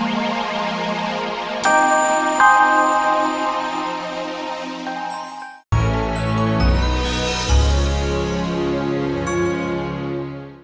tidak ada yang bisa dikunci